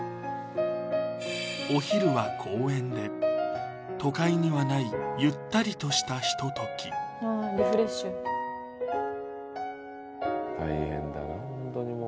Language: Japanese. お昼は公園で都会にはないゆったりとしたひととき大変だなホントにもう